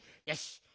よし。